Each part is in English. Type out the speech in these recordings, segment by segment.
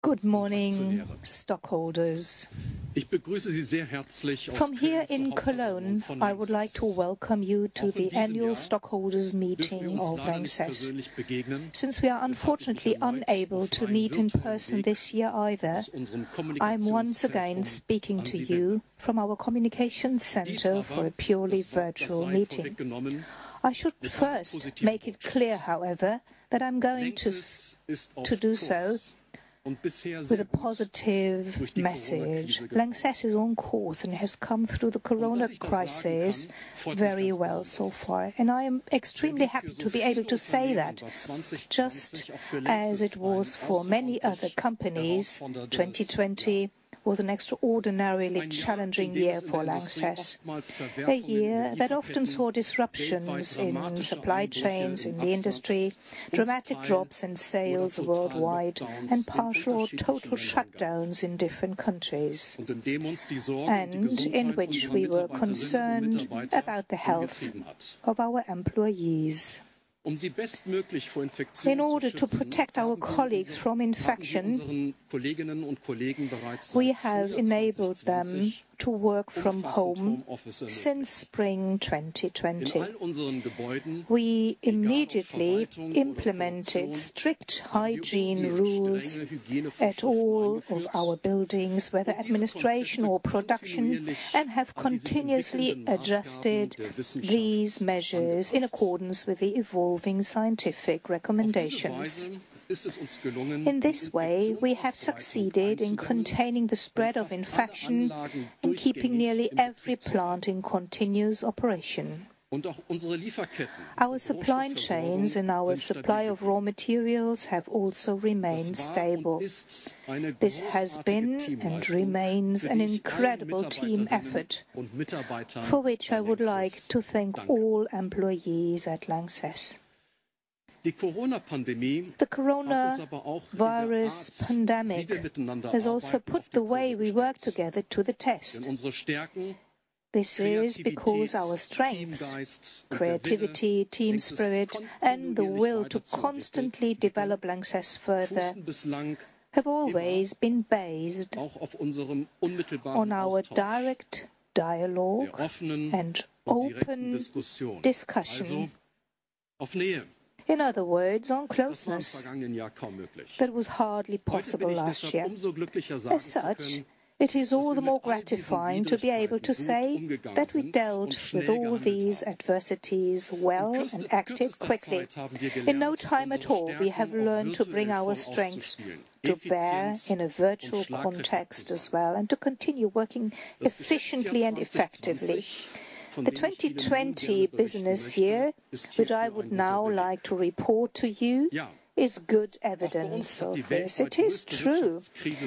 Good morning, stockholders. From here in Cologne, I would like to welcome you to the annual stockholders meeting of Lanxess. Since we are unfortunately unable to meet in person this year either, I am once again speaking to you from our communication center for a purely virtual meeting. I should first make it clear, however, that I am going to do so with a positive message. Lanxess is on course and has come through the corona crisis very well so far, and I am extremely happy to be able to say that. Just as it was for many other companies, 2020 was an extraordinarily challenging year for Lanxess. A year that often saw disruptions in supply chains in the industry, dramatic drops in sales worldwide, and partial or total shutdowns in different countries, and in which we were concerned about the health of our employees. In order to protect our colleagues from infection, we have enabled them to work from home since spring 2020. We immediately implemented strict hygiene rules at all of our buildings, whether administration or production, and have continuously adjusted these measures in accordance with the evolving scientific recommendations. In this way, we have succeeded in containing the spread of infection and keeping nearly every plant in continuous operation. Our supply chains and our supply of raw materials have also remained stable. This has been and remains an incredible team effort for which I would like to thank all employees at Lanxess. The coronavirus pandemic has also put the way we work together to the test. This is because our strengths, creativity, team spirit, and the will to constantly develop Lanxess further have always been based on our direct dialogue and open discussion. In other words, on closeness that was hardly possible last year. It is all the more gratifying to be able to say that we dealt with all these adversities well and acted quickly. In no time at all, we have learned to bring our strengths to bear in a virtual context as well and to continue working efficiently and effectively. The 2020 business year that I would now like to report to you is good evidence of this. It is true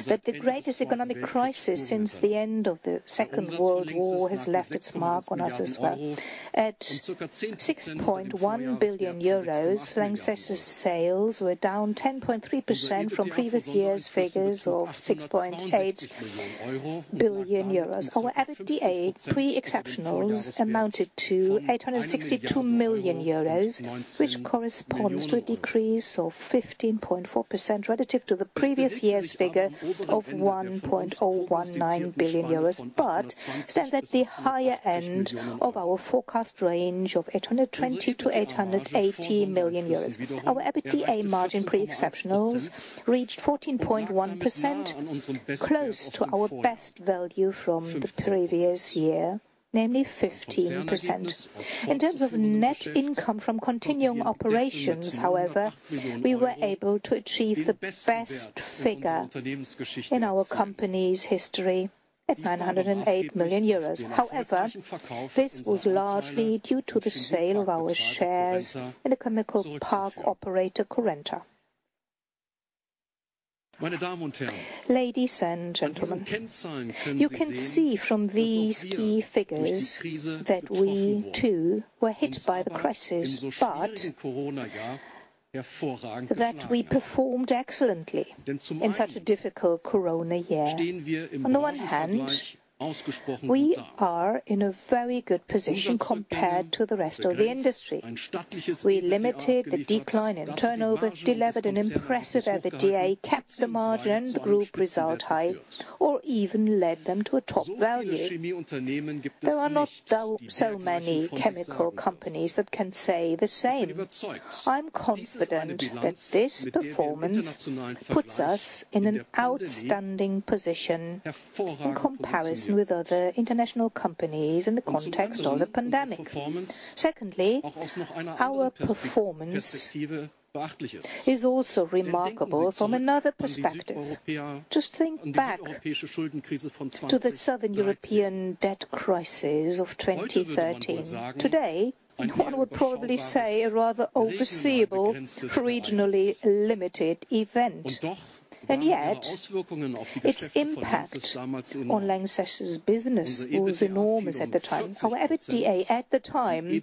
that the greatest economic crisis since the end of the Second World War has left its mark on us as well. At 6.1 billion euros, Lanxess' sales were down 10.3% from previous year's figures of 6.8 billion euros. EBITDA, pre-exceptionals, amounted to 862 million euros, which corresponds to an decrease of 15.4% relative to the previous year's figure of 1.019 billion euros, stands at the higher end of our forecast range of 820 million-840 million euros. Our EBITDA margin, pre-exceptionals, reached 14.1%, close to our best value from the previous year, namely 15%. In terms of net income from continuing operations, however, we were able to achieve the best figure in our company's history at 908 million euros. This was largely due to the sale of our shares in the chemical park operator, Currenta. Ladies and gentlemen, you can see from these key figures that we, too, were hit by the crisis, but that we performed excellently in such a difficult corona year. On the one hand, we are in a very good position compared to the rest of the industry. We limited the decline in turnover, delivered an impressive EBITDA, kept the margin and group result high, or even led them to a top value. There are not so many chemical companies that can say the same. I am confident that this performance puts us in an outstanding position in comparison with other international companies in the context of the pandemic. Our performance is also remarkable from another perspective. Just think back to the Southern European debt crisis of 2013. Today, one would probably say a rather foreseeable, regionally limited event, and yet its impact on Lanxess' business was enormous at the time. Our EBITDA at the time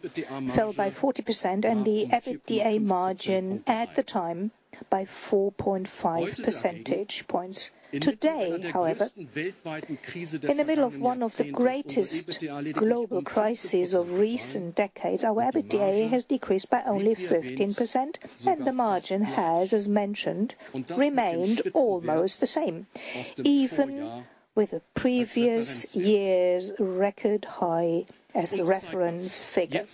fell by 40% and the EBITDA margin at the time by 4.5 percentage points. Today, however, in the middle of one of the greatest global crises of recent decades, our EBITDA has decreased by only 15% and the margin has, as mentioned, remained almost the same, even with a previous year-record high as a reference figure.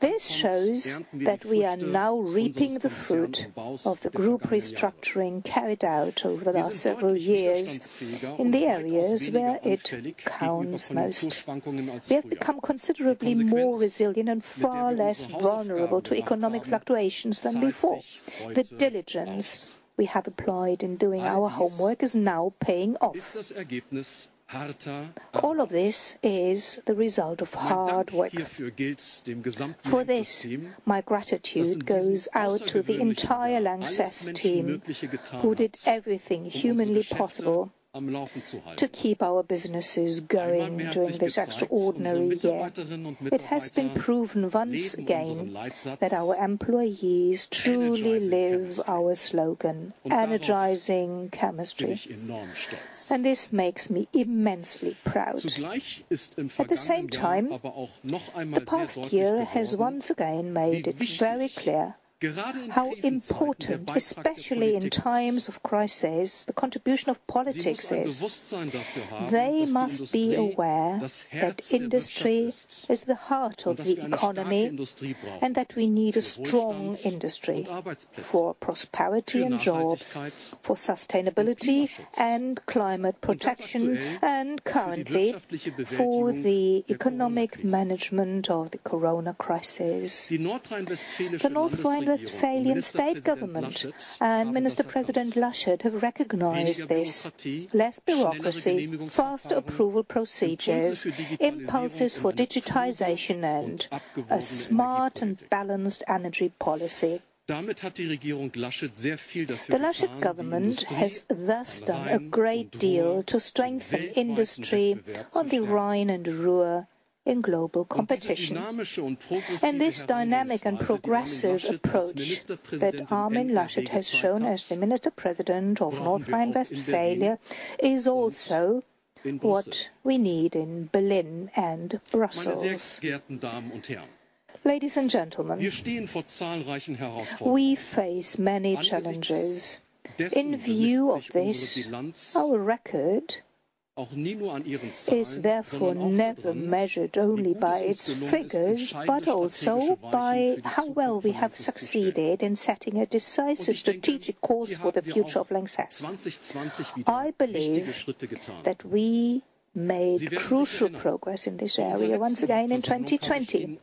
This shows that we are now reaping the fruit of the group restructuring carried out over several years in the areas where it counts most. We have become considerably more resilient and far less vulnerable to economic fluctuations than before. The diligence we have applied in doing our homework is now paying off. All of this is the result of hard work. For this, my gratitude goes out to the entire Lanxess team, who did everything humanly possible to keep our businesses going during this extraordinary year. It has been proven once again that our employees truly live our slogan, Energizing Chemistry, and this makes me immensely proud. At the same time, the past year has once again made it very clear how important, especially in times of crisis, the contribution of politics is. They must be aware that industries is the heart of the economy and that we need a strong industry for prosperity, jobs, for sustainability and climate protection, and currently for the economic management of the Corona crisis. The North Rhine-Westphalian state government and Minister President Laschet have recognized this. Less bureaucracy, fast approval procedures, impulses for digitization, and a smart and balanced energy policy. The Laschet government has thus done a great deal to strengthen industry on the Rhine and Ruhr in global competition. This dynamic and progressive approach that Armin Laschet has shown as the Minister President of North Rhine-Westphalia is also what we need in Berlin and Brussels. Ladies and gentlemen, we face many challenges. In view of this, our record is therefore never measured only by its figures, but also by how well we have succeeded in setting a decisive strategic course for the future of Lanxess. I believe that we made crucial progress in this area once again in 2020.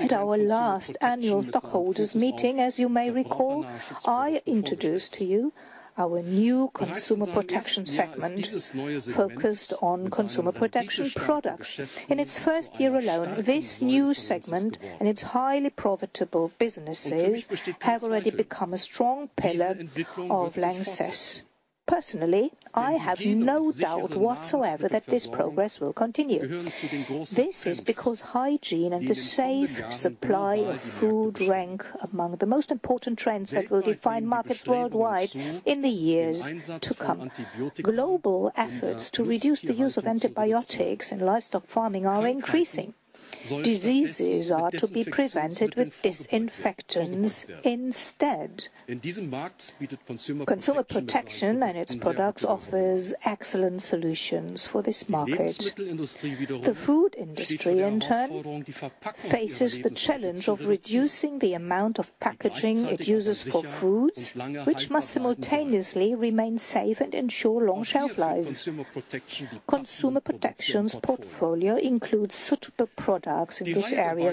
At our last annual shareholders meeting, as you may recall, I introduced to you our new Consumer Protection segment focused on consumer protection products. In its first year alone, this new segment and its highly profitable businesses have already become a strong pillar of Lanxess. Personally, I have no doubt whatsoever that this progress will continue. This is because hygiene and the safe supply of food rank among the most important trends that will define markets worldwide in the years to come. Global efforts to reduce the use of antibiotics in livestock farming are increasing. Diseases are to be prevented with disinfectants instead. Consumer Protection and its products offers excellent solutions for this market. The food industry, in turn, faces the challenge of reducing the amount of packaging it uses for foods, which must simultaneously remain safe and ensure long shelf lives. Consumer Protection's portfolio includes suitable products in this area.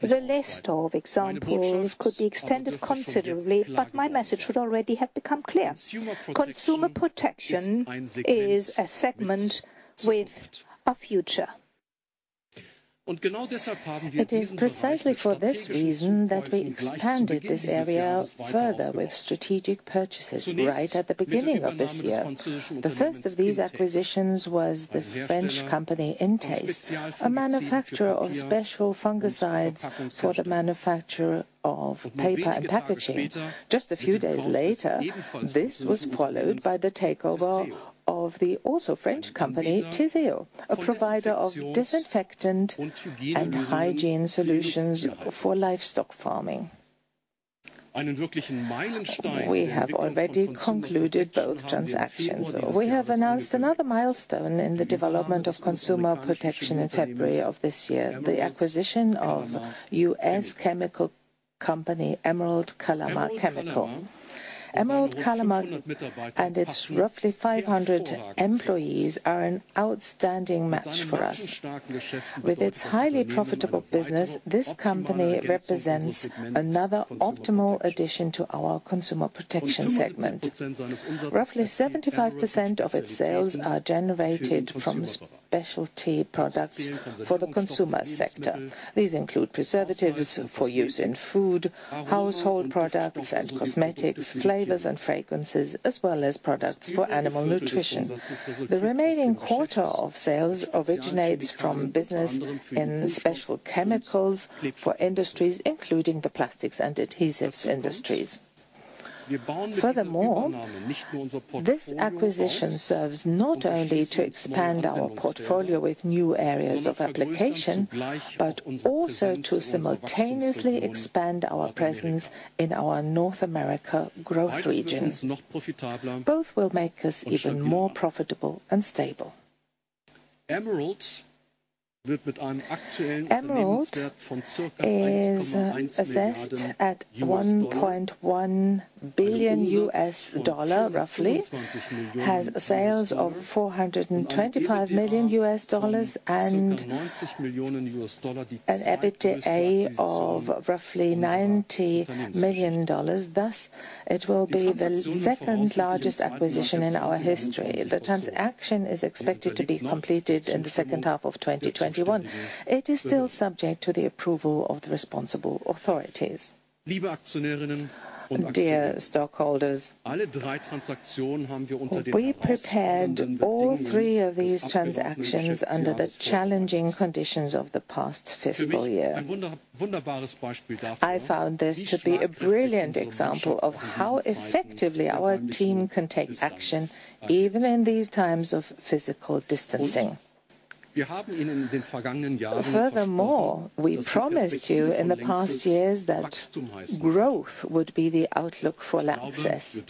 The list of examples could be extended considerably, but my message should already have become clear. Consumer Protection is a segment with a future. It is precisely for this reason that we expanded this area further with strategic purchases right at the beginning of this year. The first of these acquisitions was the French company INTACE, a manufacturer of special fungicides for the manufacture of paper and packaging. Just a few days later, this was followed by the takeover of the also French company Theseo, a provider of disinfectant and hygiene solutions for livestock farming. We have already concluded both transactions. We have announced another milestone in the development of Consumer Protection in February of this year, the acquisition of U.S. chemical company Emerald Kalama Chemical. Emerald Kalama and its roughly 500 employees are an outstanding match for us. With its highly profitable business, this company represents another optimal addition to our Consumer Protection segment. Roughly 75% of its sales are generated from specialty products for the consumer sector. These include preservatives for use in food, household products and cosmetics, flavors and fragrances, as well as products for animal nutrition. The remaining quarter of sales originates from business in special chemicals for industries, including the plastics and adhesives industries. This acquisition serves not only to expand our portfolio with new areas of application, but also to simultaneously expand our presence in our North America growth region. Both will make this even more profitable and stable. Emerald is assessed at $1.1 billion roughly, has sales of $425 million and an EBITDA of roughly $90 million. It will be the second largest acquisition in our history. The transaction is expected to be completed in the second half of 2021. It is still subject to the approval of the responsible authorities. Dear stockholders, we prepared all three of these transactions under the challenging conditions of the past fiscal year. I found this to be a brilliant example of how effectively our team can take action even in these times of physical distancing. We promised you in the past years that growth would be the outlook for Lanxess.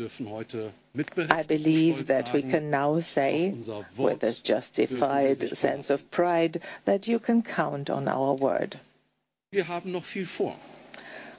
I believe that we can now say with a justified sense of pride that you can count on our word.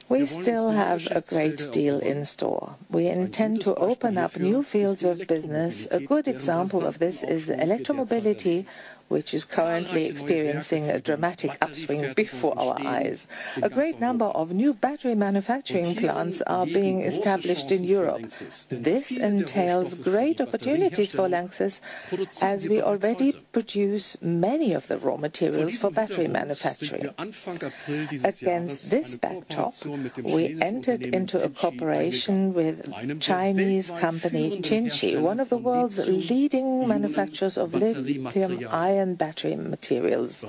We still have a great deal in store. We intend to open up new fields of business. A good example of this is electromobility, which is currently experiencing a dramatic upswing before our eyes. A great number of new battery manufacturing plants are being established in Europe. This entails great opportunities for Lanxess, as we already produce many of the raw materials for battery manufacturing. Against this backdrop, we entered into a cooperation with Chinese company Tinci, one of the world's leading manufacturers of lithium-ion battery materials.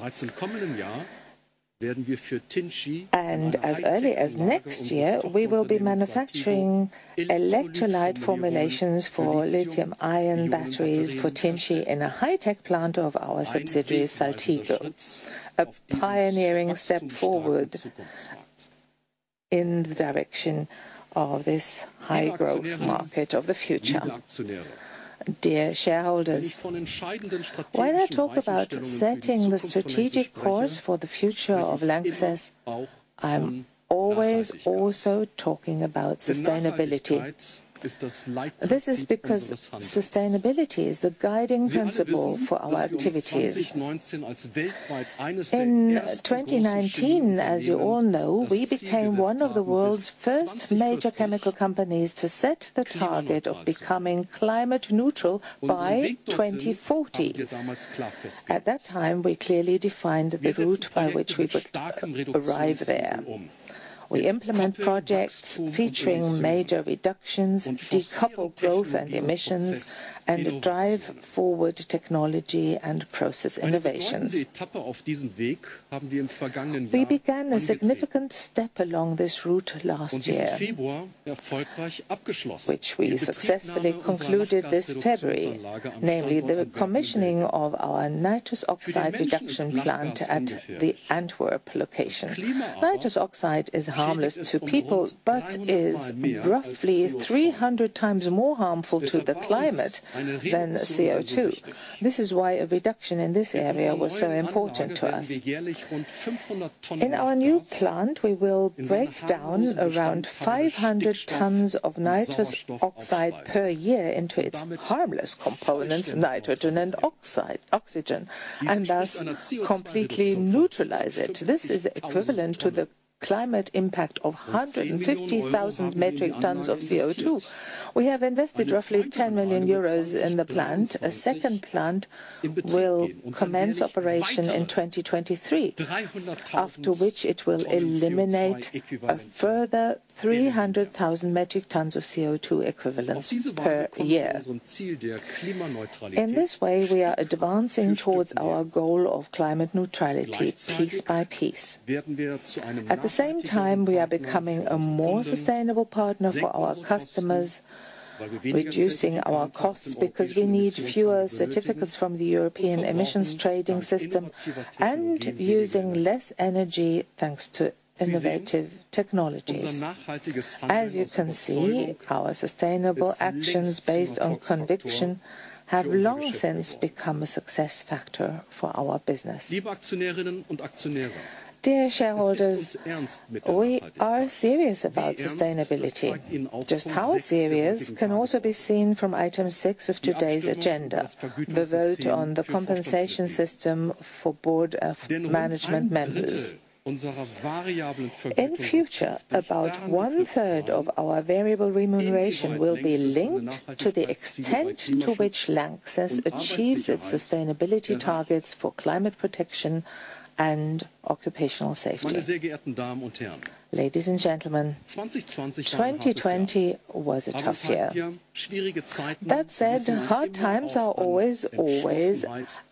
As early as next year, we will be manufacturing electrolyte formulations for lithium-ion batteries for Tinci in a high-tech plant of our subsidiary, Saltigo, a pioneering step forward in the direction of this high-growth market of the future. Dear shareholders, when I talk about setting the strategic course for the future of Lanxess, I'm always also talking about sustainability. This is because sustainability is the guiding principle for our activities. In 2019, as you all know, we became one of the world's first major chemical companies to set the target of becoming climate neutral by 2040. At that time, we clearly defined the route by which we would arrive there. We implement projects featuring major reductions, decouple growth and emissions, and drive forward technology and process innovations. We began a significant step along this route last year, which we successfully concluded this February, namely the commissioning of our nitrous oxide reduction plant at the Antwerp location. Nitrous oxide is harmless to people but is roughly 300 times more harmful to the climate than CO2. This is why a reduction in this area was so important to us. In our new plant, we will break down around 500 tons of nitrous oxide per year into its harmless components, nitrogen and oxygen, and thus completely neutralize it. This is equivalent to the climate impact of 150,000 metric tons of CO2. We have invested roughly 10 million euros in the plant. A second plant will commence operation in 2023, after which it will eliminate a further 300,000 metric tons of CO2 equivalent per year. In this way, we are advancing towards our goal of climate neutrality piece by piece. At the same time, we are becoming a more sustainable partner for our customers, reducing our costs because we need fewer certificates from the European Emissions Trading System and using less energy thanks to innovative technologies. As you can see, our sustainable actions based on conviction have long since become a success factor for our business. Dear shareholders, we are serious about sustainability. Just how serious can also be seen from item six of today's agenda, the vote on the compensation system for Board of Management members. In future, about one-third of our variable remuneration will be linked to the extent to which Lanxess achieves its sustainability targets for climate protection and occupational safety. Ladies and gentlemen, 2020 was a tough year. That said, hard times are always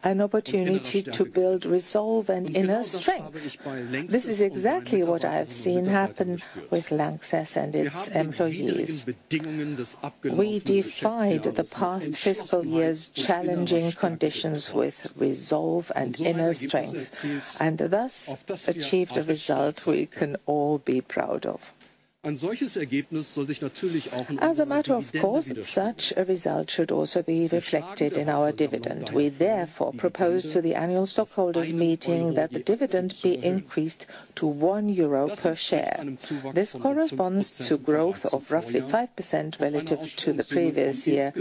an opportunity to build resolve and inner strength. This is exactly what I have seen happen with Lanxess and its employees. We defied the past fiscal year's challenging conditions with resolve and inner strength and thus achieved results we can all be proud of. As a matter of course, such a result should also be reflected in our dividend. We therefore propose to the annual stockholders meeting that the dividend be increased to 1 euro per share. This corresponds to growth of roughly 5% relative to the previous year,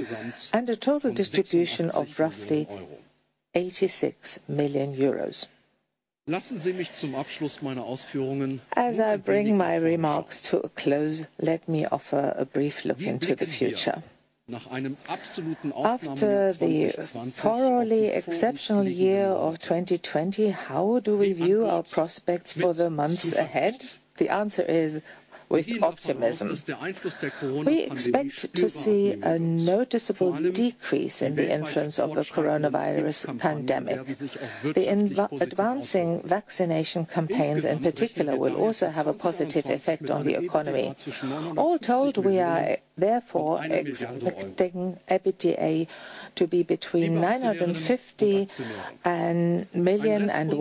and a total distribution of roughly 86 million euros. As I bring my remarks to a close, let me offer a brief look into the future. After the thoroughly exceptional year of 2020, how do we view our prospects for the months ahead? The answer is with optimism. We expect to see a noticeable decrease in the influence of the coronavirus pandemic. The advancing vaccination campaigns in particular will also have a positive effect on the economy. All told, we are therefore expecting EBITDA to be between EUR 950 million and EUR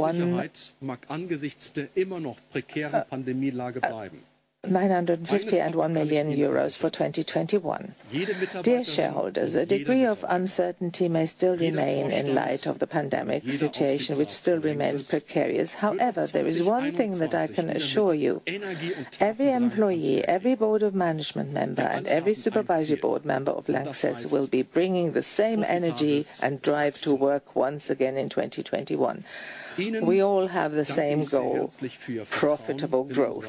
1 billion for 2021. Dear shareholders, a degree of uncertainty may still remain in light of the pandemic situation which still remains precarious. However, there is one thing that I can assure you. Every employee, every board of management member, and every supervisory board member of Lanxess will be bringing the same energy and drive to work once again in 2021. We all have the same goal: profitable growth.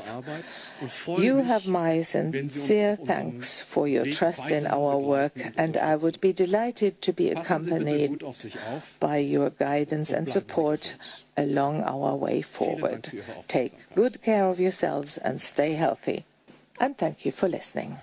You have my sincere thanks for your trust in our work and I would be delighted to be accompanied by your guidance and support along our way forward. Take good care of yourselves and stay healthy, and thank you for listening.